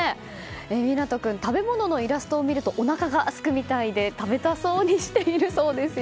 湊斗君、食べ物のイラストを見るとおなかがすくみたいで食べたそうにしているそうですよ。